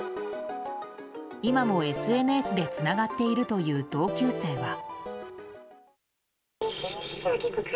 今もＳＮＳでつながっているという同級生は。